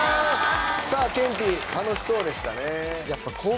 ケンティー楽しそうでしたね。